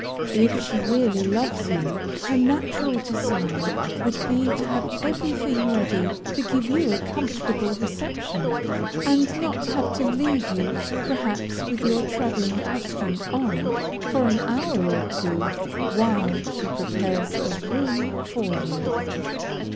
If she really loves you, her natural desire would be to have everything ready to give you a comfortable reception, and not have to leave you, perhaps with your traveling costume on, for an hour or two, while she prepares a room for you.